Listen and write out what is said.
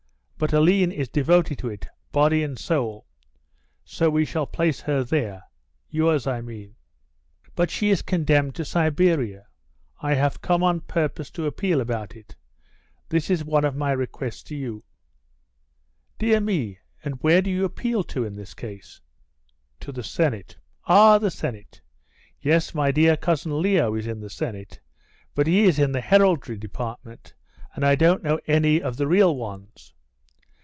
But Aline is devoted to it, body and soul, so we shall place her there yours, I mean." "But she is condemned to Siberia. I have come on purpose to appeal about it. This is one of my requests to you." "Dear me, and where do you appeal to in this case?" "To the Senate." "Ah, the Senate! Yes, my dear Cousin Leo is in the Senate, but he is in the heraldry department, and I don't know any of the real ones.